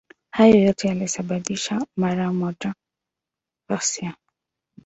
Hayo yote yalisababisha mara moja ghasia.